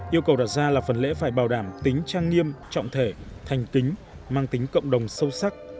yêu cầu đặt ra là phần lễ phải bảo đảm tính trang nghiêm trọng thể thành kính mang tính cộng đồng sâu sắc